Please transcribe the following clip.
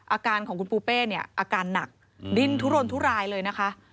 อาการของคุณปูเป้เนี่ยอาการหนักดิ้นทุรนทุรายเลยนะคะ